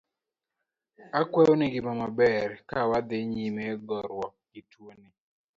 Akwayonu ngima maber, kawadhi nyime goruok gi tuoni.